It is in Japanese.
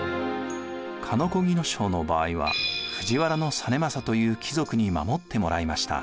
鹿子木荘の場合は藤原実政という貴族に守ってもらいました。